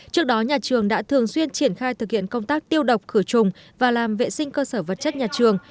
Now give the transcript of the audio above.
trước đó nhà trường đã thường xuyên triển khai thực hiện công tác tiêu độc khử trùng và làm vệ sinh cơ sở vật chất nhà trường